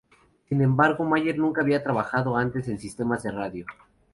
Sin embargo, Mayer nunca había trabajado antes en sistemas de radio.